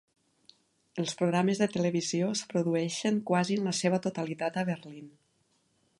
Els programes de televisió es produeixen quasi en la seva totalitat a Berlín.